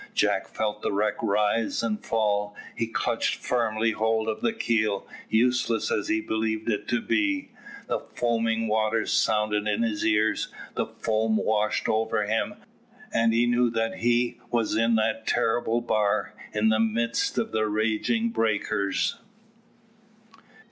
Jack felt the wreck rise and fall. He clutched firmly hold of the keel, useless as he believed it to be. The foaming waters sounded in his ears, the foam washed over him, and he knew that he was on that terrible bar, in the midst of the raging breakers.